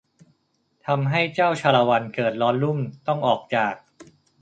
ทำให้เจัาชาละวันเกิดร้อนลุ่มต้องออกจาก